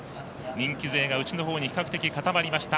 人気勢が内のほうに比較的固まりました。